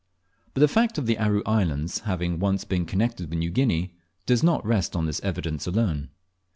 But the fact of the Aru Islands having once been connected with New Guinea does not rest on this evidence alone.